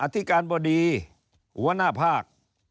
ธิการบดีหัวหน้าภาค